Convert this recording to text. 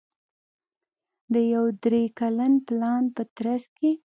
د یوه درې کلن پلان په ترڅ کې